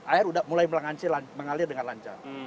air sudah mulai mengalir dengan lancar